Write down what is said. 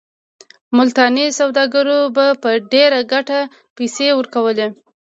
ملتاني سوداګرو به په ډېره ګټه پیسې ورکولې.